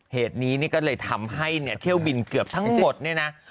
เหตุนี้นี่ก็เลยทำให้เนี่ยเที่ยวบินเกือบทั้งหมดเนี่ยนะ